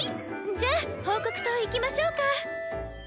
じゃ報告筒行きましょうか。